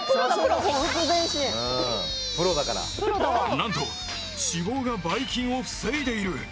なんと脂肪がバイ菌を防いでいる。